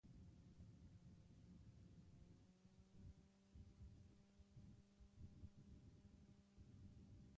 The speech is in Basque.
Gure hizkuntzaren eta kulturaren biziraupena ikastetxeetan ere jokatzen baita.